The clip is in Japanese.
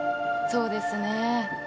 そうですね。